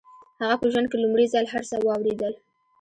هغه په ژوند کې لومړي ځل هر څه واورېدل.